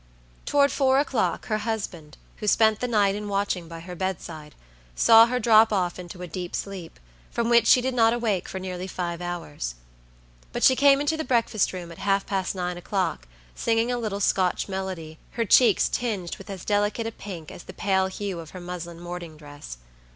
Toward four o'clock her husband, who spent the night in watching by her bedside, saw her drop off into a deep sleep, from which she did not awake for nearly five hours. But she came into the breakfast room, at half past nine o'clock, singing a little Scotch melody, her cheeks tinged with as delicate a pink as the pale hue of her muslin morning dress.